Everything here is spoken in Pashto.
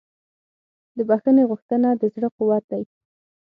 د بښنې غوښتنه د زړه قوت دی.